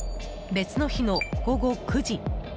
別の日の午後９時。